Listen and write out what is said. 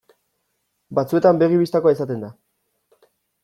Batzuetan begi bistakoa izaten da.